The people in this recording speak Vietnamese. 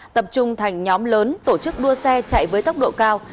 tập trung thành nhóm lớn tổ chức đua xe chạy với tốc độ cao